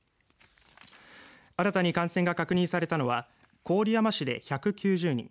新たに感染が確認されたのは郡山市で１９０人